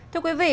thưa quý vị